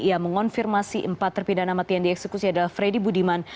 ia mengonfirmasi empat terpidana mati yang dieksekusi adalah freddy budiman